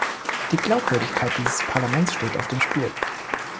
Die Glaubwürdigkeit dieses Parlaments steht auf dem Spiel.